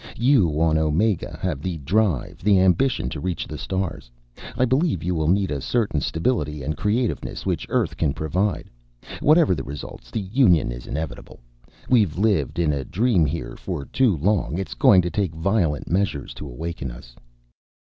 You on Omega have the drive, the ambition to reach the stars. I believe you need a certain stability and creativeness which Earth can provide. Whatever the results, the union is inevitable. We've lived in a dream here for too long. It's going to take violent measures to awaken us."